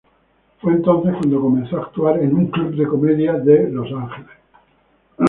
Fue entonces cuando comenzó a actuar en un club de comedia de Los Ángeles.